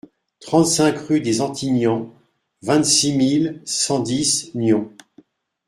trente-cinq rue des Antignans, vingt-six mille cent dix Nyons